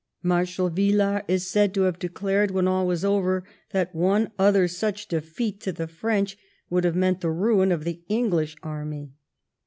Marshal Villars is said to have declared, when all was over, that one other such defeat to the French would have meant the ruin of the English army.